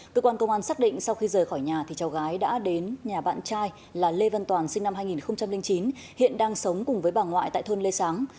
cơ quan công an xác định sau khi rời khỏi nhà thì cháu gái đã đến nhà bạn trai là lê vân toàn sinh năm hai nghìn chín hiện đang sống cùng với bà ngoại tại thôn lê sáng